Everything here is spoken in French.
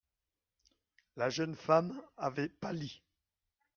La jeune femme avait pâli.